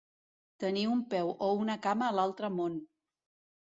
Tenir un peu o una cama a l'altre món.